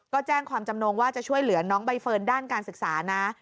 ก็แจ้งความจำนงว่าจะช่วยเหลือน้องใบเฟิร์นด้านการศึกษานะ